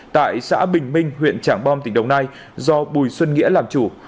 tại xã bình minh huyện trảng bom tỉnh đồng nai do bùi xuân nghĩa làm chủ